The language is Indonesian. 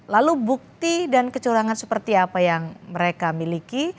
lalu bukti dan kecurangan seperti apa yang mereka miliki